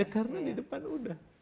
karena di depan udah